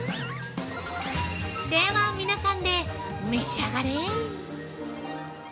では、皆さんで召し上がれ！